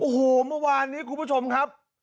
โอ้โหเมื่อวานนี้คุณผู้ชมครับ